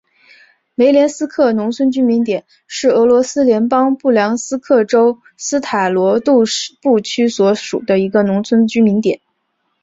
梅连斯克农村居民点是俄罗斯联邦布良斯克州斯塔罗杜布区所属的一个农村居民点。